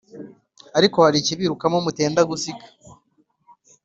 ariko harikibirukamo mutenda gusiga"